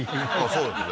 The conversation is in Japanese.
そうですね